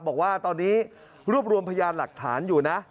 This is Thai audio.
บอกว่าตอนนี้รวบรวมพยานหลักฐานอยู่นะ